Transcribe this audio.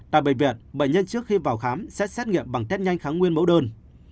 tại bệnh viện bệnh nhân trước khi vào khám sẽ xét nghiệm bằng tết nhanh kháng nguyên mẫu đơn